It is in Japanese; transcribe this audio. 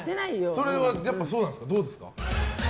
それは、そうなんですか？